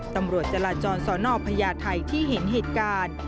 ตำรวจจราจรสนพญาไทยที่เห็นเหตุการณ์